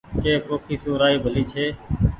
ڪي پوکي سون رآئي ڀلي ڇي